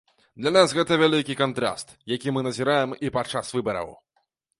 Для нас гэта вялікі кантраст, які мы назіраем і падчас выбараў.